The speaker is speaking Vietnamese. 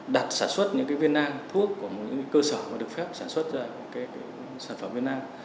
đặt sản xuất những cái viên nang thuốc của những cơ sở mà được phép sản xuất ra những cái sản phẩm viên nang